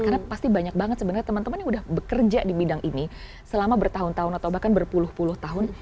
karena pasti banyak banget sebenarnya temen temen yang udah bekerja di bidang ini selama bertahun tahun atau bahkan berpuluh puluh tahun